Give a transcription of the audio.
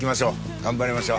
頑張りましょう。